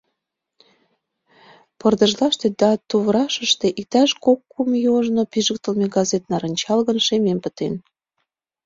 Пырдыжлаште да туврашыште иктаж кок-кум ий ожно пижыктылме газет нарынчаҥын, шемем пытен.